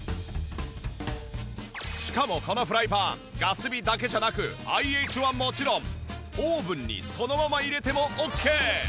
しかもこのフライパンガス火だけじゃなくＩＨはもちろんオーブンにそのまま入れてもオッケー！